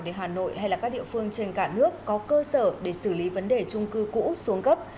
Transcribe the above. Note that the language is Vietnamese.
để hà nội hay các địa phương trên cả nước có cơ sở để xử lý vấn đề trung cư cũ xuống cấp